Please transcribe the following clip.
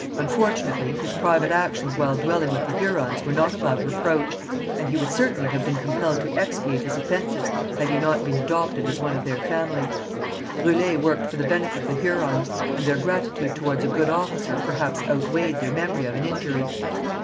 Unfortunately, his private actions while dwelling with the Hurons were not above reproach, and he would certainly have been compelled to expiate his offences had he not been adopted as one of their family. Brûlé worked for the benefit of the Hurons, and their gratitude towards a good officer perhaps outweighed their memory of an injury.